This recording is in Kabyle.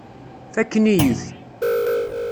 Fakken-iyi-t.